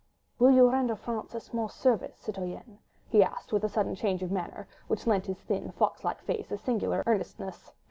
"Will you render France a small service, citoyenne?" he asked, with a sudden change of manner, which lent his thin, fox like face singular earnestness.